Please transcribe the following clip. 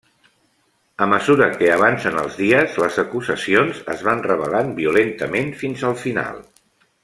A mesura que avancen els dies les acusacions es van revelant violentament fins al final.